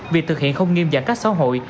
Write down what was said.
việc thực hiện không nghiêm giảm các xã hội